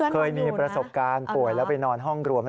เคยมีประสบการณ์ป่วยแล้วไปนอนห้องรวมแล้ว